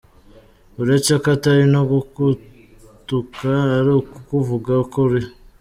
Uretse ko atari no kugutuka ari ukukuvuga uko uri.